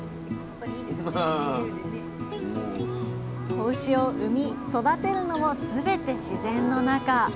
子牛を産み育てるのも全て自然の中。